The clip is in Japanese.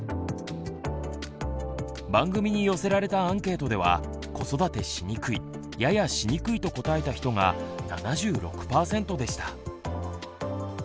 番組に寄せられたアンケートでは子育てしにくいややしにくいと答えた人が７６％でした。